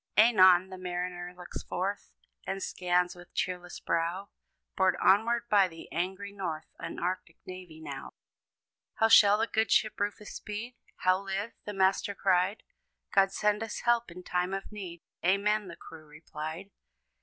Anon, the mariner looks forth, And scans with cheerless brow, Borne onward by the angry North, An arctic navy now. "How shall the good ship Rufus speed? How live?" the master cried; "God send us help in time of need," "Amen!" the crew replied.